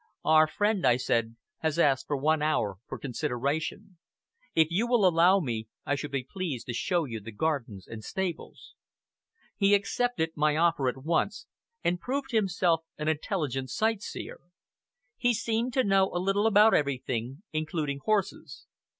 "Our friend," I said, "has asked for one hour for consideration. If you will allow me, I should be pleased to show you the gardens and stables." He accepted my offer at once, and proved himself an intelligent sightseer. He seemed to know a little about everything, including horses.